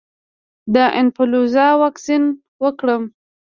د انفلونزا واکسین وکړم؟